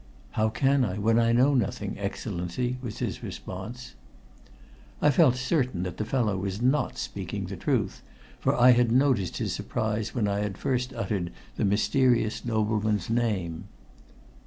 "How can I when I know nothing, Excellency?" was his response. I felt certain that the fellow was not speaking the truth, for I had noticed his surprise when I had first uttered the mysterious nobleman's name.